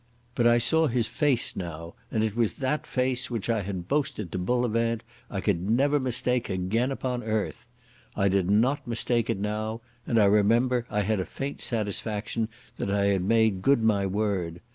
But I saw his face now, and it was that face which I had boasted to Bullivant I could never mistake again upon earth. I did not mistake it now, and I remember I had a faint satisfaction that I had made good my word.